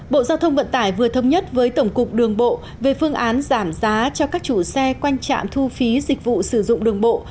bộ giao thông vận tải vừa thống nhất với tổng cục đường bộ về phương án giảm giá cho các chủ xe quanh trạm thu phí dịch vụ sử dụng đường bộ